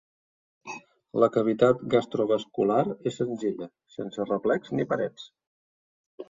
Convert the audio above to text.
La cavitat gastrovascular és senzilla, sense replecs ni parets.